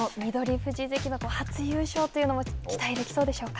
富士関の初優勝というのも、期待できそうでしょうか。